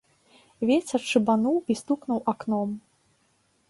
Вецер шыбануў і стукнуў акном.